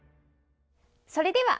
それでは。